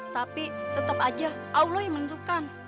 tapi tetap aja allah yang menentukan